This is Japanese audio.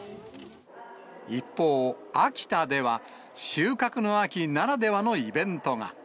一方、秋田では、収穫の秋ならではのイベントが。